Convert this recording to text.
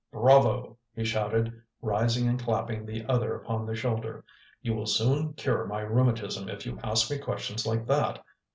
"Bravo!" he shouted, rising and clapping the other upon the shoulder. "You will soon cure my rheumatism if you ask me questions like that!